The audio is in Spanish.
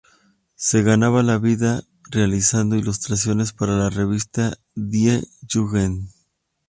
Se ganaba la vida realizando ilustraciones para la revista "Die Jugend".